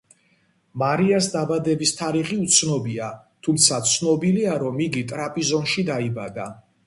მარიას დაბადების თარიღი უცნობია, თუმცა ცნობილია, რომ იგი ტრაპიზონში დაიბადა.